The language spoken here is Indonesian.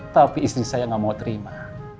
tapi istri saya gak mau terima